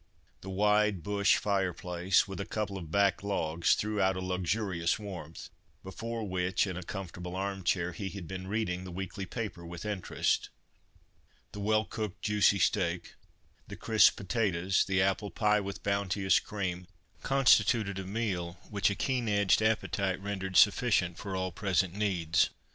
The wide bush fire place, with a couple of back logs, threw out a luxurious warmth, before which, in a comfortable arm chair, he had been reading the weekly paper with interest. The well cooked, juicy steak, the crisp potatoes, the apple pie with bounteous cream, constituted a meal which a keen edged appetite rendered sufficient for all present needs.